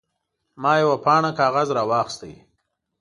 ما یوه پاڼه کاغذ راواخیست.